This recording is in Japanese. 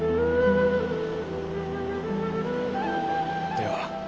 では。